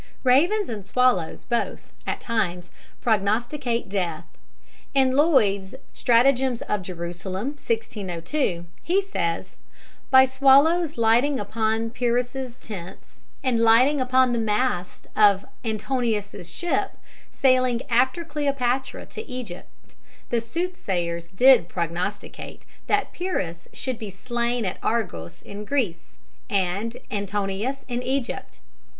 '" Ravens and swallows both, at times, prognosticate death. In Lloyd's Stratagems of Jerusalem (1602) he says: "By swallows lighting upon Pirrhus' tents, and lighting upon the mast of Mar. Antonius' ship, sailing after Cleopatra to Egypt, the soothsayers did prognosticate that Pirrhus should be slaine at Argos in Greece, and Mar. Antonius in Egypt."